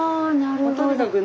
もうとにかくね